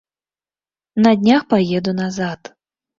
На днях паеду назад.